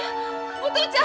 お父ちゃん！